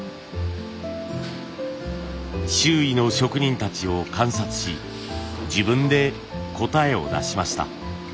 周囲の職人たちを観察し自分で答えを出しました。